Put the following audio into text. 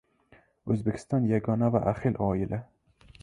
O‘zbekiston – yagona va ahil oila